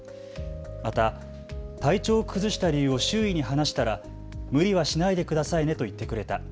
また、体調を崩した理由を周囲に話したら無理はしないでくださいねと言ってくれた。